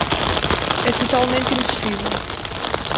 É totalmente impossível.